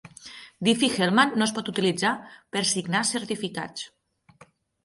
Diffie-Hellman no es pot utilitzar per signar certificats.